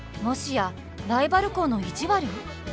もしやライバル校の意地悪？